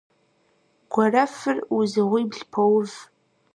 Гуэрэфыр узыгъуибл поув.